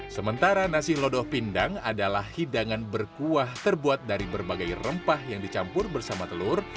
sementara nasi lodoh pindang adalah hidangan berkuah terbuat dari berbagai rempah yang dicampur bersama telur